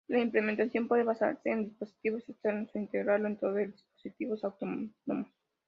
La implementación puede basarse en dispositivos externos o integrarlo todo en dispositivos autónomos.